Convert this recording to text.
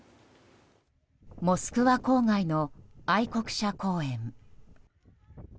モスクワ郊外の愛国者公園。